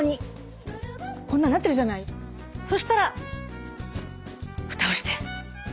そしたら蓋をして。